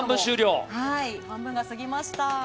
半分が過ぎました。